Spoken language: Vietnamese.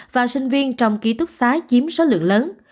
và sinh viên trong ký túc xá chiếm số lượng lớn